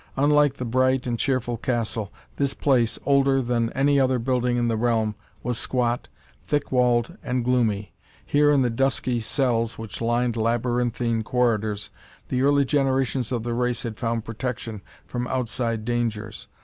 Unlike the bright and cheerful castle, this place, older than any other building in the realm, was squat, thick walled, and gloomy. Here, in the dusky cells which lined labyrinthine corridors, the early generations of the race had found protection from outside dangers.